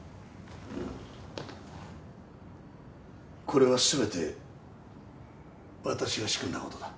これは全て私が仕組んだことだ。